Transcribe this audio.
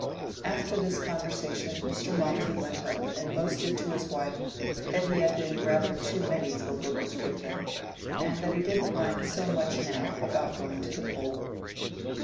After this conversation Mr. Mawmsey went up and boasted to his wife that he had been rather too many for Brooke of Tipton, and that he didn't mind so much now about going to the poll.